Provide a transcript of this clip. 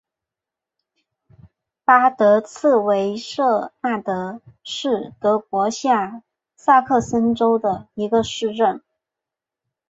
巴德茨维舍纳恩是德国下萨克森州的一个市镇。